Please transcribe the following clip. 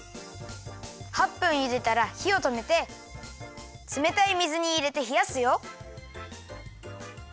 ８分ゆでたらひをとめてつめたい水にいれてひやすよ。